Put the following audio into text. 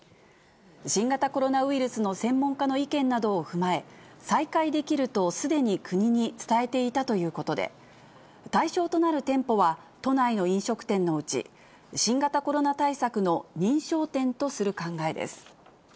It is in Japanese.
新型コロナウイルスの専門家の意見などを踏まえ、再開できるとすでに国に伝えていたということで、対象となる店舗は、都内の飲食店のうち、新型コロナ対策の認証店とする考えです。